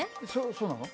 そうなの？